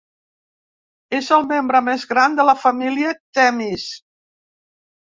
És el membre més gran de la família Themis.